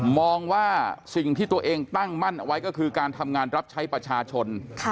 มองว่าสิ่งที่ตัวเองตั้งมั่นเอาไว้ก็คือการทำงานรับใช้ประชาชน